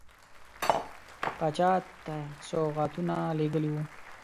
پاچا ته سوغاتونه لېږلي وه.